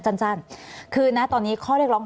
สั้นคือนะตอนนี้ข้อเรียกร้อง